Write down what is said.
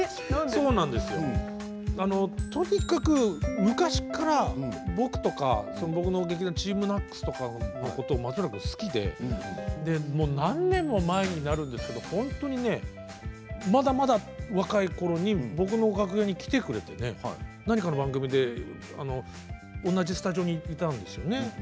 とにかく昔から僕とか僕の劇団ＴＥＡＭＮＡＣＳとか松村君が好きで何年も前になるんですけれど本当にまだまだ若いころに僕の楽屋に来てくれて何かの番組で同じスタジオにいたんですよね。